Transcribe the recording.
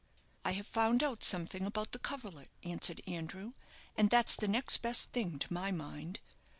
"I have found out something about the coverlet," answered Andrew; "and that's the next best thing, to my mind.